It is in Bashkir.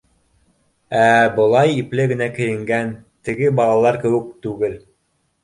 Ә былай ипле генә кейенгән, теге балалар кеүек түгел.